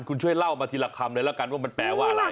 คุณช่วยเล่ามาทีละคำเลยละกันว่ามันแปลว่าอะไร